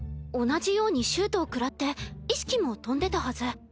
同じようにシュートをくらって意識も飛んでたはず。